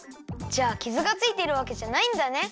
じゃあキズがついてるわけじゃないんだね！